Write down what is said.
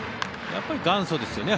やっぱり元祖ですよね。